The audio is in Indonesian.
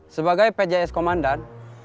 sebagai pjs komandan